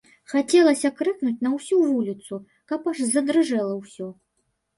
Хацелася крыкнуць на ўсю вуліцу, каб аж задрыжэла ўсё.